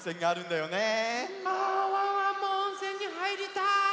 あワンワンもおんせんにはいりたい。